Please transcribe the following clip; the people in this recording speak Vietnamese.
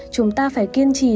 chúng ta phải kiên trì